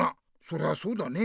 そりゃそうだね。